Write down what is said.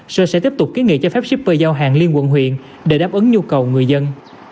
sở sẽ tiếp tục ký nghị cho phép shipper giao hàng liên quận huyện để đáp ứng nhu cầu người dân